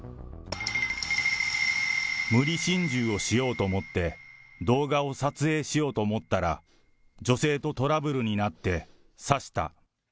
無理心中をしようと思って、動画を撮影しようと思ったら、女性とトラブルになって刺した。